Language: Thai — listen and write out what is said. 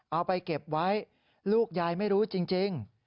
เอาไปเก็บไว้ลูกยายไม่รู้จริง